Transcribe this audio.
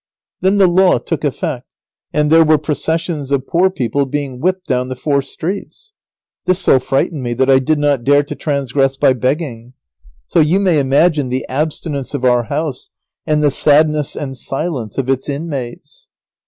Then the law took effect, and there were processions of poor people being whipped down the four streets. This so frightened me that I did not dare to transgress by begging. So you may imagine the abstinence of our house, and the sadness and silence of its inmates.